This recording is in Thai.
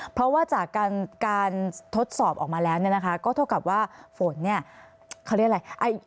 เพราะว่าจากการทดสอบออกมาแล้วเนี่ยนะคะก็เท่ากับว่าฝนเนี่ยเขาเรียกอะไร